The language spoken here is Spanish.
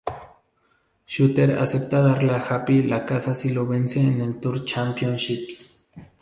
Shooter acepta darle a Happy la casa si lo vence en el Tour Championship.